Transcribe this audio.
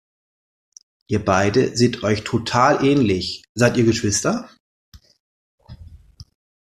Ihr beide seht euch total ähnlich, seid ihr Geschwister?